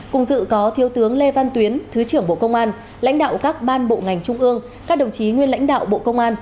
cùng dự có thiếu tướng lê văn tuyến thứ trưởng bộ công an lãnh đạo các ban bộ ngành trung ương các đồng chí nguyên lãnh đạo bộ công an